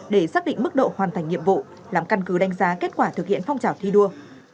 để xác định mức độ hoàn thành nhiệm vụ làm căn cứ đánh giá kết quả thực hiện phong trào thi đua